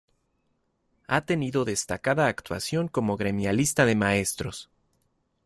Ha tenido destacada actuación como gremialista de maestros.